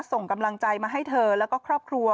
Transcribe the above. ส่งกำลังใจมาให้เธอแล้วก็ครอบครัว